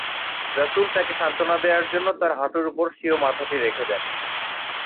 রাসূল তাকে সান্ত্বনা দেওয়ার জন্য তার হাঁটুর ওপর স্বীয় মাথাটি রেখে দেন।